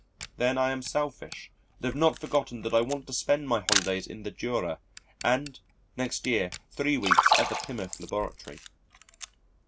Then I am selfish, and have not forgotten that I want to spend my holidays in the Jura, and next year three weeks at the Plymouth Laboratory.